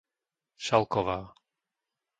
Šalková